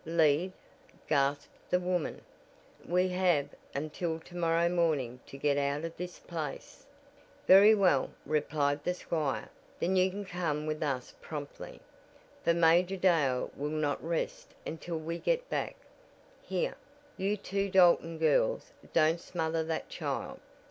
"Leave?" gasped the woman, "we have until to morrow morning to get out of this place " "Very well," replied the squire, "then you can come with us promptly, for Major Dale will not rest until we get back. Here, you two Dalton girls, don't smother that child.